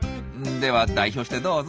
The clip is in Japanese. では代表してどうぞ。